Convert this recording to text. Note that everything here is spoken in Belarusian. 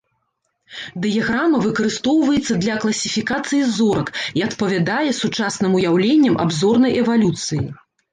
Дыяграма выкарыстоўваецца для класіфікацыі зорак і адпавядае сучасным уяўленням аб зорнай эвалюцыі.